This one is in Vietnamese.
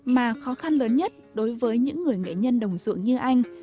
mà khó khăn lớn nhất đối với những người nghệ nhân đồng ruộng như anh